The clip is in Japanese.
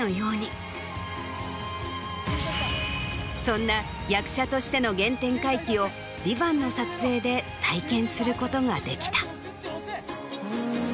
そんな役者としての原点回帰を『ＶＩＶＡＮＴ』の撮影で体験することができた。